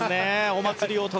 お祭り男。